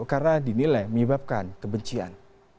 karena dinilai menyebabkan kebencian